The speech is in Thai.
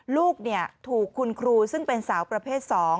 ลูกถูกคุณครูซึ่งเป็นสาวประเภท๒